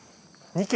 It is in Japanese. ２軒。